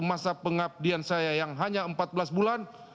masa pengabdian saya yang hanya empat belas bulan